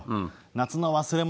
夏の忘れ物？